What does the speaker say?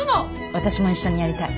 私も一緒にやりたい。